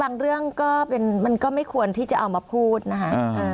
เรื่องก็เป็นมันก็ไม่ควรที่จะเอามาพูดนะคะ